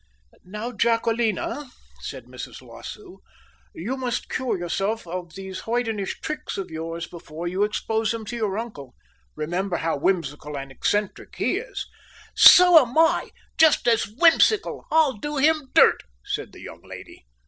"Now, Jacquelina," said Mrs. L'Oiseau, "you must cure yourself of these hoydenish tricks of yours before you expose them to your uncle remember how whimsical and eccentric he is." "So am I! Just as whimsical! I'll do him dirt," said the young lady.